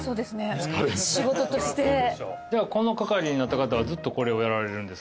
この係になった方はずっとこれをやられるんですか？